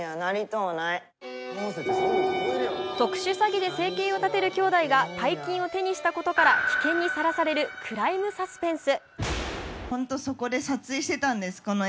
特殊詐欺で生計を立てるきょうだいが大金を手にしたことから危険にさらされるクライムサスペンス。